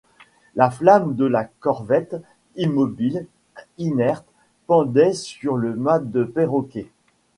La flamme de la corvette, immobile, inerte, pendait sur le mât de perroquet.